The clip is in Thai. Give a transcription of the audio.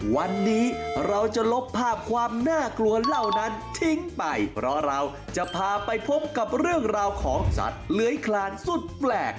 เพราะเราจะพาไปพบกับเรื่องราวของสัตว์เลื้อยคลานสุดแปลก